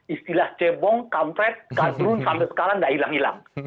istilah cebong kampret gadrun sampai sekarang tidak hilang hilang